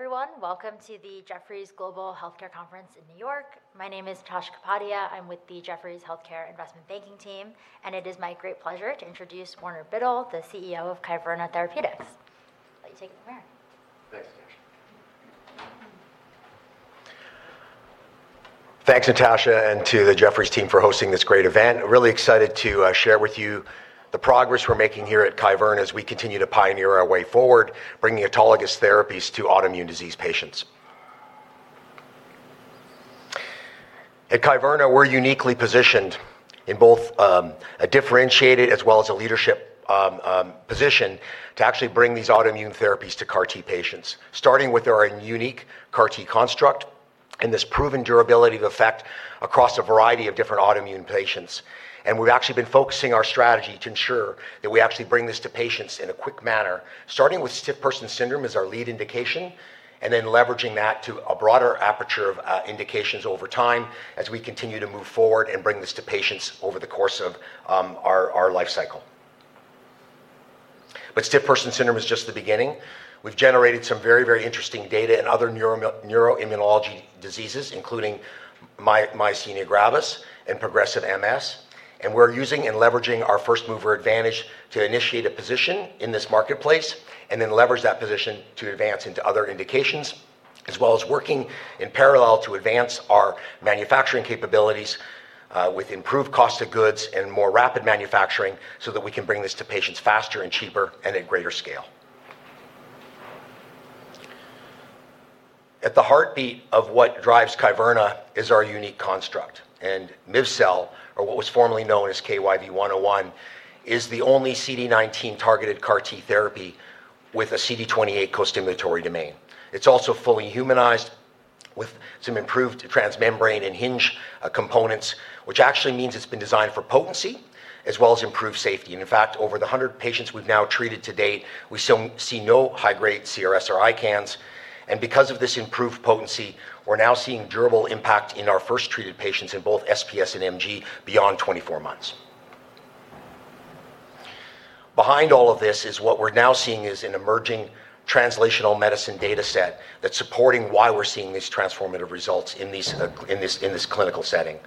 Everyone, welcome to the Jefferies Global Healthcare Conference in New York. My name is Tasha Kapadia. I'm with the Jefferies Healthcare investment banking team, and it is my great pleasure to introduce Warner Biddle, the CEO of Kyverna Therapeutics. I'll let you take it from here. Thanks, Tasha. Thanks to Tasha and to the Jefferies team for hosting this great event. Really excited to share with you the progress we're making here at Kyverna as we continue to pioneer our way forward, bringing autologous therapies to autoimmune disease patients. At Kyverna, we're uniquely positioned in both a differentiated as well as a leadership position to actually bring these autoimmune therapies to CAR T patients, starting with our unique CAR T construct and this proven durability of effect across a variety of different autoimmune patients. We've actually been focusing our strategy to ensure that we actually bring this to patients in a quick manner, starting with Stiff Person Syndrome as our lead indication, then leveraging that to a broader aperture of indications over time as we continue to move forward and bring this to patients over the course of our life cycle. Stiff Person Syndrome is just the beginning. We've generated some very interesting data in other neuroimmunology diseases, including Myasthenia Gravis and progressive MS. We're using and leveraging our first-mover advantage to initiate a position in this marketplace and then leverage that position to advance into other indications, as well as working in parallel to advance our manufacturing capabilities with improved cost of goods and more rapid manufacturing so that we can bring this to patients faster and cheaper and at greater scale. At the heartbeat of what drives Kyverna is our unique construct, miv-cel, or what was formerly known as KYV-101, is the only CD19-targeted CAR T therapy with a CD28 costimulatory domain. It's also fully humanized with some improved transmembrane and hinge components, which actually means it's been designed for potency as well as improved safety. In fact, over the 100 patients we've now treated to date, we see no high-grade CRS or ICANS. Because of this improved potency, we're now seeing durable impact in our first-treated patients in both SPS and MG beyond 24 months. Behind all of this is what we're now seeing is an emerging translational medicine data set that's supporting why we're seeing these transformative results in this clinical setting.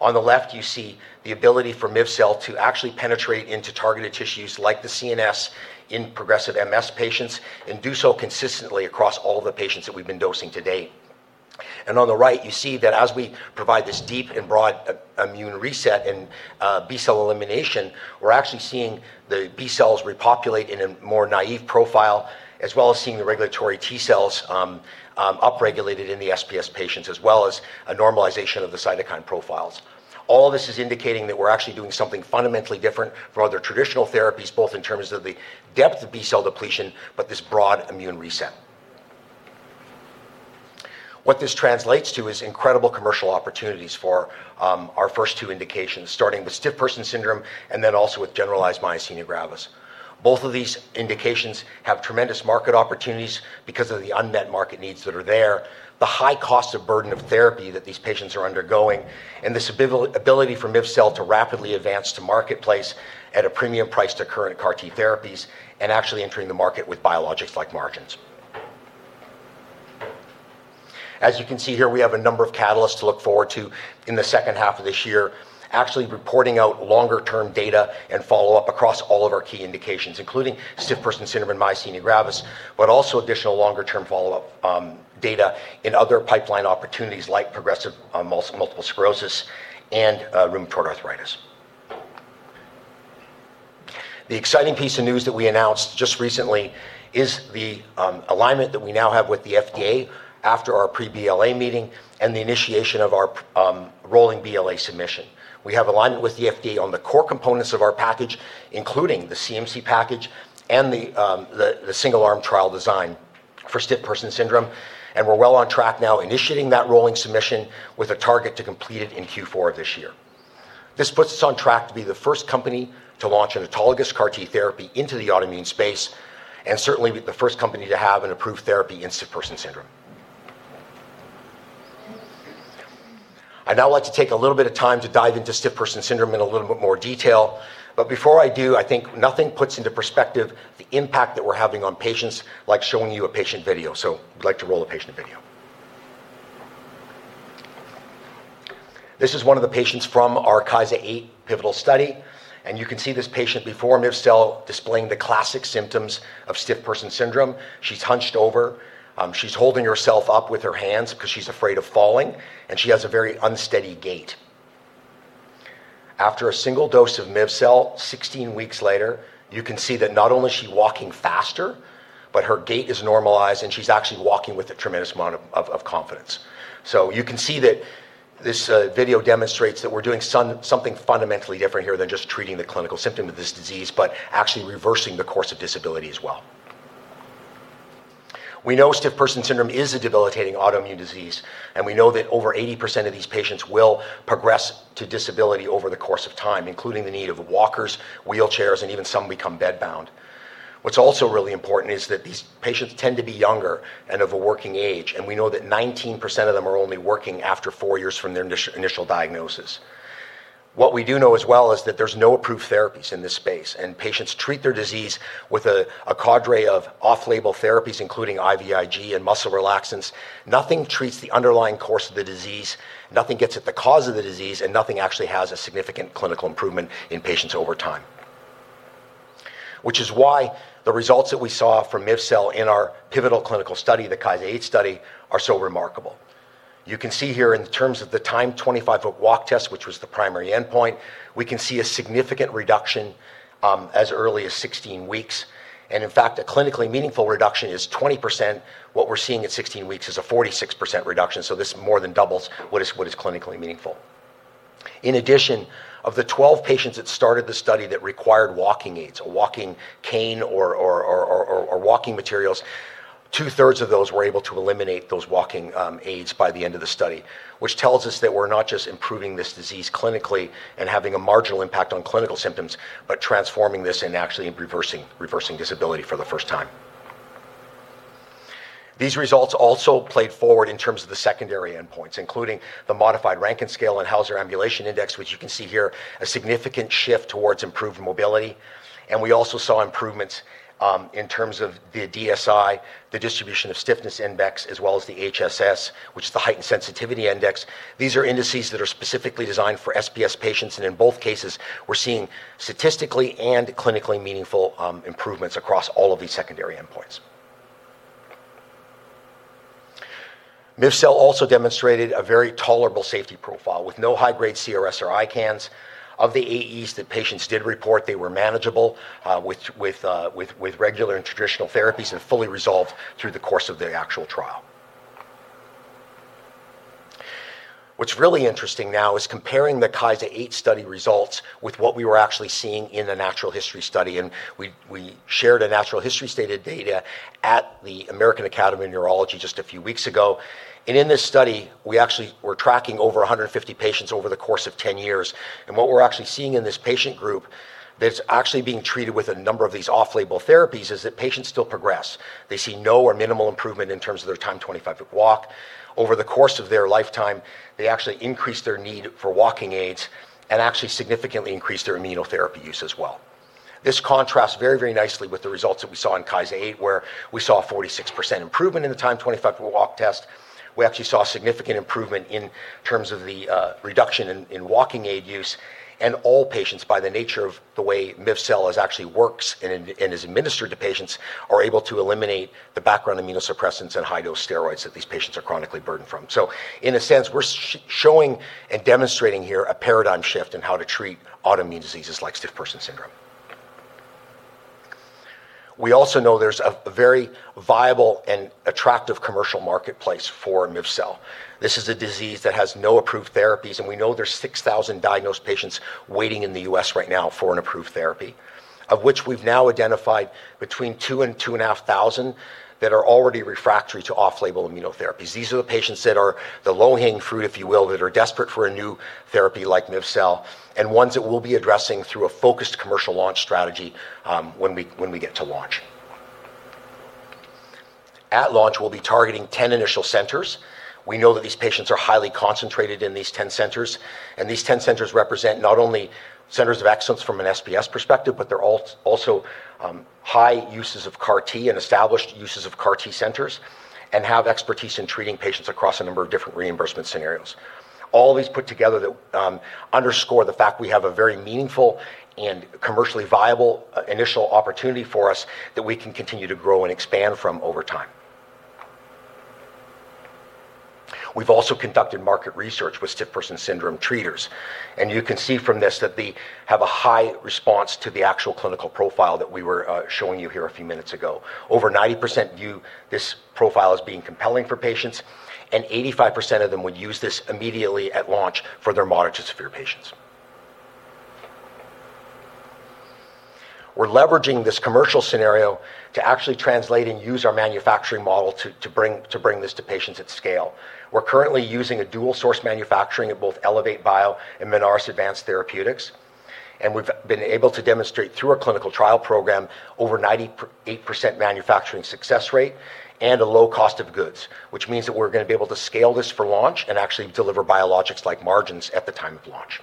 On the left, you see the ability for miv-cel to actually penetrate into targeted tissues like the CNS in progressive MS patients and do so consistently across all the patients that we've been dosing to date. On the right, you see that as we provide this deep and broad immune reset and B cell elimination, we're actually seeing the B cells repopulate in a more naive profile, as well as seeing the regulatory T cells upregulated in the SPS patients, as well as a normalization of the cytokine profiles. All this is indicating that we're actually doing something fundamentally different from other traditional therapies, both in terms of the depth of B cell depletion, but this broad immune reset. This translates to incredible commercial opportunities for our first two indications, starting with Stiff Person Syndrome and then also with generalized Myasthenia Gravis. Both of these indications have tremendous market opportunities because of the unmet market needs that are there, the high cost of burden of therapy that these patients are undergoing, and this ability for miv-cel to rapidly advance to marketplace at a premium price to current CAR T therapies and actually entering the market with biologics-like margins. As you can see here, we have a number of catalysts to look forward to in the second half of this year, actually reporting out longer-term data and follow-up across all of our key indications, including Stiff Person Syndrome and Myasthenia Gravis, but also additional longer-term follow-up data in other pipeline opportunities like progressive Multiple Sclerosis and Rheumatoid Arthritis. The exciting piece of news that we announced just recently is the alignment that we now have with the FDA after our pre-BLA meeting and the initiation of our rolling BLA submission. We have alignment with the FDA on the core components of our package, including the CMC package and the single-arm trial design for Stiff Person Syndrome, we're well on track now initiating that rolling submission with a target to complete it in Q4 of this year. This puts us on track to be the first company to launch an autologous CAR T therapy into the autoimmune space and certainly be the first company to have an approved therapy in Stiff Person Syndrome. I'd now like to take a little bit of time to dive into Stiff Person Syndrome in a little bit more detail. Before I do, I think nothing puts into perspective the impact that we're having on patients, like showing you a patient video. I'd like to roll a patient video. This is one of the patients from our KYSA-8 pivotal study, and you can see this patient before miv-cel displaying the classic symptoms of Stiff Person Syndrome. She's hunched over. She's holding herself up with her hands because she's afraid of falling, and she has a very unsteady gait. After a single dose of miv-cel, 16 weeks later, you can see that not only is she walking faster, but her gait is normalized, and she's actually walking with a tremendous amount of confidence. You can see that this video demonstrates that we're doing something fundamentally different here than just treating the clinical symptom of this disease, but actually reversing the course of disability as well. We know Stiff Person Syndrome is a debilitating autoimmune disease, and we know that over 80% of these patients will progress to disability over the course of time, including the need of walkers, wheelchairs, and even some become bedbound. What's also really important is that these patients tend to be younger and of a working age, and we know that 19% of them are only working after four years from their initial diagnosis. What we do know as well is that there's no approved therapies in this space, and patients treat their disease with a cadre of off-label therapies, including IVIG and muscle relaxants. Nothing treats the underlying course of the disease, nothing gets at the cause of the disease, and nothing actually has a significant clinical improvement in patients over time. Which is why the results that we saw from miv-cel in our pivotal clinical study, the KYSA-8 study, are so remarkable. You can see here in terms of the timed 25-foot walk test, which was the primary endpoint, we can see a significant reduction as early as 16 weeks. In fact, a clinically meaningful reduction is 20%. What we're seeing at 16 weeks is a 46% reduction, so this more than doubles what is clinically meaningful. In addition, of the 12 patients that started the study that required walking aids, a walking cane or walking materials, two-thirds of those were able to eliminate those walking aids by the end of the study, which tells us that we're not just improving this disease clinically and having a marginal impact on clinical symptoms, but transforming this and actually reversing disability for the first time. These results also played forward in terms of the secondary endpoints, including the modified Rankin scale and Hauser Ambulation Index, which you can see here, a significant shift towards improved mobility. We also saw improvements in terms of the DSI, the Distribution of Stiffness Index, as well as the HSS, which is the Heightened Sensitivity Index. These are indices that are specifically designed for SPS patients, and in both cases, we're seeing statistically and clinically meaningful improvements across all of these secondary endpoints. miv-cel also demonstrated a very tolerable safety profile with no high-grade CRS or ICANS. Of the AEs that patients did report, they were manageable with regular and traditional therapies and fully resolved through the course of the actual trial. What's really interesting now is comparing the KYSA-8 study results with what we were actually seeing in the natural history study. We shared a natural history stated data at the American Academy of Neurology just a few weeks ago. In this study, we actually were tracking over 150 patients over the course of 10 years. What we're actually seeing in this patient group that's actually being treated with a number of these off-label therapies, is that patients still progress. They see no or minimal improvement in terms of their timed 25-foot walk. Over the course of their lifetime, they actually increase their need for walking aids and actually significantly increase their immunotherapy use as well. This contrasts very, very nicely with the results that we saw in KYSA-8, where we saw a 46% improvement in the timed 25-foot walk test. We actually saw significant improvement in terms of the reduction in walking aid use. All patients, by the nature of the way miv-cel actually works and is administered to patients, are able to eliminate the background immunosuppressants and high-dose steroids that these patients are chronically burdened from. In a sense, we're showing and demonstrating here a paradigm shift in how to treat autoimmune diseases like Stiff Person Syndrome. We also know there's a very viable and attractive commercial marketplace for miv-cel. This is a disease that has no approved therapies, and we know there's 6,000 diagnosed patients waiting in the U.S. right now for an approved therapy, of which we've now identified between 2,000 and 2,500 that are already refractory to off-label immunotherapies. These are the patients that are the low-hanging fruit, if you will, that are desperate for a new therapy like miv-cel, and ones that we'll be addressing through a focused commercial launch strategy when we get to launch. At launch, we'll be targeting 10 initial centers. We know that these patients are highly concentrated in these 10 centers. These 10 centers represent not only centers of excellence from an SPS perspective, but they're also high users of CAR T and established users of CAR T centers and have expertise in treating patients across a number of different reimbursement scenarios. All these put together underscore the fact we have a very meaningful and commercially viable initial opportunity for us that we can continue to grow and expand from over time. We've also conducted market research with stiff person syndrome treaters. You can see from this that they have a high response to the actual clinical profile that we were showing you here a few minutes ago. Over 90% view this profile as being compelling for patients, and 85% of them would use this immediately at launch for their moderate to severe patients. We're leveraging this commercial scenario to actually translate and use our manufacturing model to bring this to patients at scale. We're currently using a dual-source manufacturing of both ElevateBio and Minaris Advanced Therapies, and we've been able to demonstrate through our clinical trial program over 98% manufacturing success rate and a low cost of goods, which means that we're going to be able to scale this for launch and actually deliver biologics-like margins at the time of launch.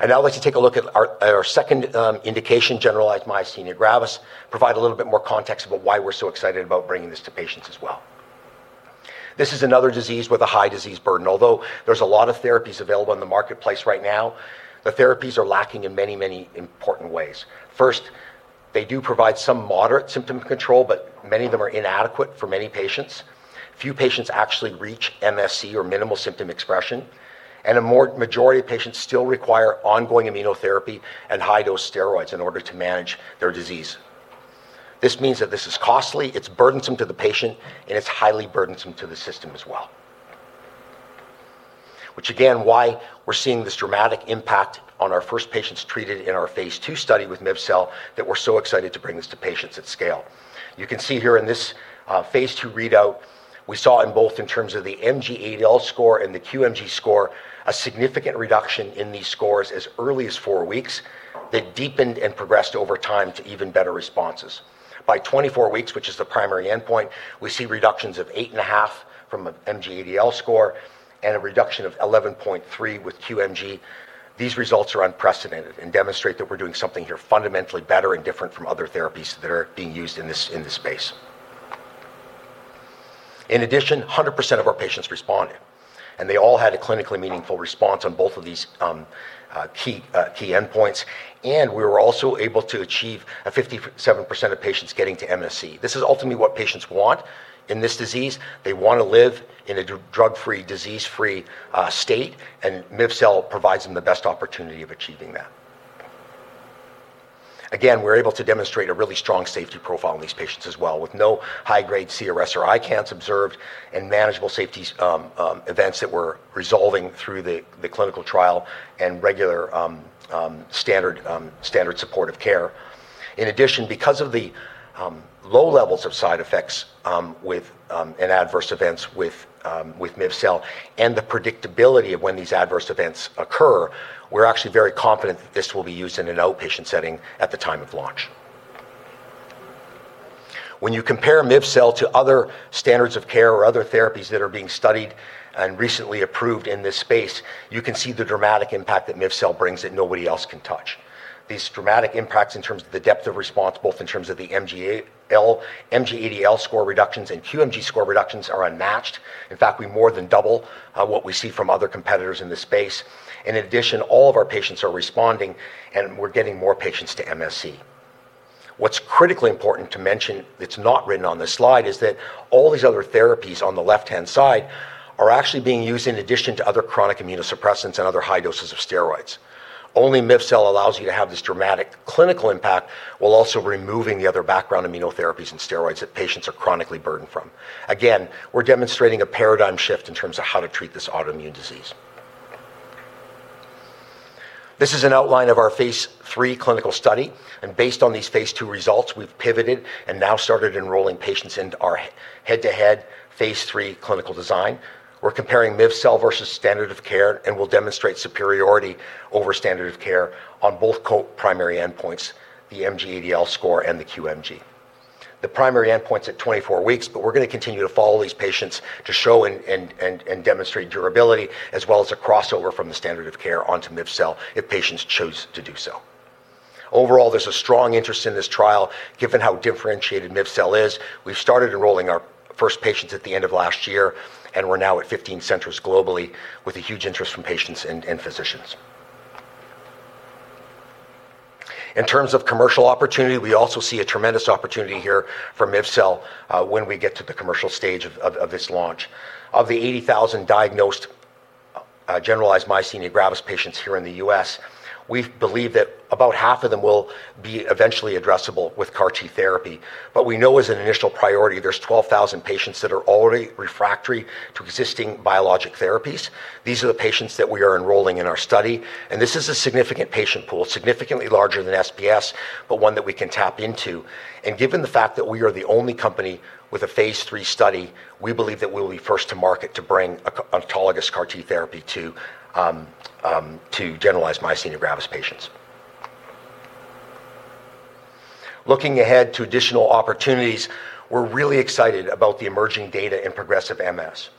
Now I'd like to take a look at our second indication, generalized myasthenia gravis, provide a little bit more context about why we're so excited about bringing this to patients as well. This is another disease with a high disease burden. Although there's a lot of therapies available in the marketplace right now, the therapies are lacking in many, many important ways. First, they do provide some moderate symptom control, but many of them are inadequate for many patients. Few patients actually reach MSE, or minimal symptom expression, and a majority of patients still require ongoing immunotherapy and high-dose steroids in order to manage their disease. This means that this is costly, it's burdensome to the patient, and it's highly burdensome to the system as well. Which, again, why we're seeing this dramatic impact on our first patients treated in our phase II study with miv-cel that we're so excited to bring this to patients at scale. You can see here in this phase II readout, we saw in both in terms of the MG-ADL score and the QMG score, a significant reduction in these scores as early as four weeks that deepened and progressed over time to even better responses. By 24 weeks, which is the primary endpoint, we see reductions of 8.5 from an MG-ADL score and a reduction of 11.3 with QMG. These results are unprecedented and demonstrate that we're doing something here fundamentally better and different from other therapies that are being used in this space. In addition, 100% of our patients responded, they all had a clinically meaningful response on both of these key endpoints. We were also able to achieve a 57% of patients getting to MSE. This is ultimately what patients want in this disease. They want to live in a drug-free, disease-free state, and miv-cel provides them the best opportunity of achieving that. Again, we're able to demonstrate a really strong safety profile in these patients as well, with no high-grade CRS or ICANS observed and manageable safety events that were resolving through the clinical trial and regular standard supportive care. In addition, because of the low levels of side effects and adverse events with miv-cel and the predictability of when these adverse events occur, we're actually very confident that this will be used in an outpatient setting at the time of launch. When you compare miv-cel to other standards of care or other therapies that are being studied and recently approved in this space, you can see the dramatic impact that miv-cel brings that nobody else can touch. These dramatic impacts in terms of the depth of response, both in terms of the MG-ADL score reductions and QMG score reductions, are unmatched. We more than double what we see from other competitors in this space. All of our patients are responding, and we're getting more patients to MSE. What's critically important to mention that's not written on this slide is that all these other therapies on the left-hand side are actually being used in addition to other chronic immunosuppressants and other high doses of steroids. Only miv-cel allows you to have this dramatic clinical impact while also removing the other background immunotherapies and steroids that patients are chronically burdened from. We're demonstrating a paradigm shift in terms of how to treat this autoimmune disease. This is an outline of our phase III clinical study. Based on these phase II results, we've pivoted and now started enrolling patients into our head-to-head phase III clinical design. We're comparing miv-cel versus standard of care and will demonstrate superiority over standard of care on both co-primary endpoints, the MG-ADL score and the QMG. The primary endpoint's at 24 weeks. We're going to continue to follow these patients to show and demonstrate durability, as well as a crossover from the standard of care onto miv-cel if patients choose to do so. Overall, there's a strong interest in this trial, given how differentiated miv-cel is. We've started enrolling our first patients at the end of last year. We're now at 15 centers globally with a huge interest from patients and physicians. In terms of commercial opportunity, we also see a tremendous opportunity here for miv-cel when we get to the commercial stage of this launch. Of the 80,000 diagnosed generalized Myasthenia Gravis patients here in the U.S., we believe that about half of them will be eventually addressable with CAR T therapy. We know as an initial priority, there's 12,000 patients that are already refractory to existing biologic therapies. These are the patients that we are enrolling in our study, and this is a significant patient pool. It's significantly larger than SPS, but one that we can tap into. Given the fact that we are the only company with a phase III study, we believe that we'll be first to market to bring autologous CAR T therapy to generalized Myasthenia Gravis patients. Looking ahead to additional opportunities, we're really excited about the emerging data in progressive MS.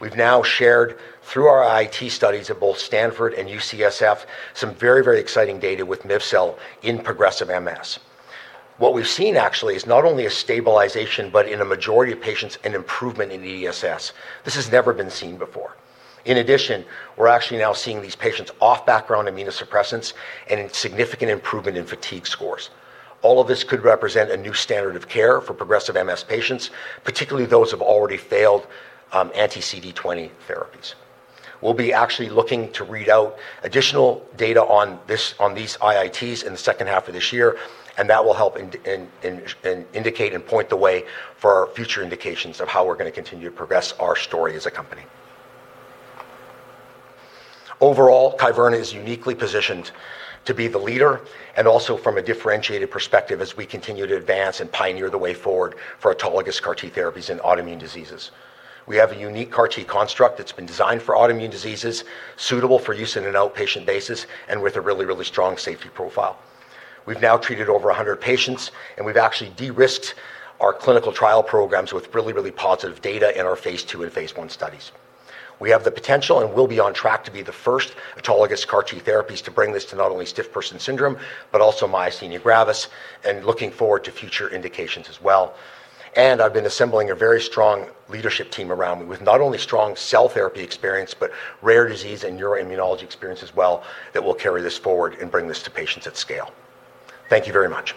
We've now shared through our IIT studies at both Stanford and UCSF some very, very exciting data with miv-cel in progressive MS. What we've seen actually is not only a stabilization, but in a majority of patients, an improvement in the EDSS. This has never been seen before. In addition, we're actually now seeing these patients off background immunosuppressants and a significant improvement in fatigue scores. All of this could represent a new standard of care for progressive MS patients, particularly those who have already failed anti-CD20 therapies. We'll be actually looking to read out additional data on these IITs in the second half of this year, and that will help indicate and point the way for our future indications of how we're going to continue to progress our story as a company. Overall, Kyverna is uniquely positioned to be the leader and also from a differentiated perspective as we continue to advance and pioneer the way forward for autologous CAR T therapies in autoimmune diseases. We have a unique CAR T construct that's been designed for autoimmune diseases, suitable for use in an outpatient basis and with a really, really strong safety profile. We've now treated over 100 patients, and we've actually de-risked our clinical trial programs with really, really positive data in our phase II and phase I studies. We have the potential and will be on track to be the first autologous CAR T therapies to bring this to not only stiff person syndrome but also myasthenia gravis and looking forward to future indications as well. I've been assembling a very strong leadership team around me with not only strong cell therapy experience but rare disease and neuroimmunology experience as well that will carry this forward and bring this to patients at scale. Thank you very much.